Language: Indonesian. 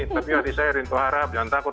tapi hati saya rintu harap jangan takut